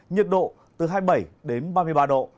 nhiệt độ từ hai mươi bảy đến ba mươi ba độ